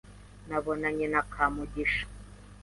Nabonanye na Kamugisha.